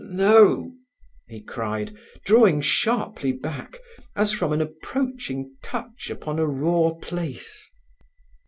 "Ah, no!" he cried, drawing sharply back, as from an approaching touch upon a raw place.